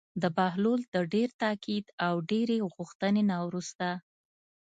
د بهلول د ډېر تاکید او ډېرې غوښتنې نه وروسته.